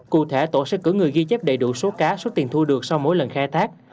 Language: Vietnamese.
cụ thể tổ sẽ cử người ghi chép đầy đủ số cá số tiền thu được sau mỗi lần khai thác